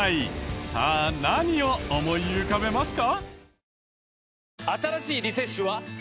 さあ何を思い浮かべますか？